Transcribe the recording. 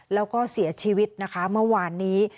แล้วก็เสียชีวิตนะคะเมื่อวานนี้